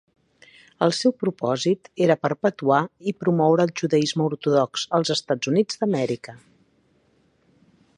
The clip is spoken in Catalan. El seu propòsit era perpetuar i promoure el judaisme ortodox als Estats Units d'Amèrica.